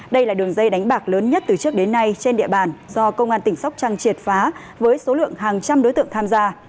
đây là đường dây đánh bạc lớn nhất từ trước đến nay trên địa bàn do công an tỉnh sóc trăng triệt phá với số lượng hàng trăm đối tượng tham gia